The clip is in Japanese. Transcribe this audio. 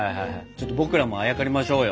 ちょっと僕らもあやかりましょうよ。